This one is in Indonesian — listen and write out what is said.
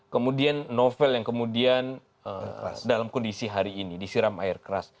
kemudian novel yang kemudian dalam kondisi hari ini disiram air keras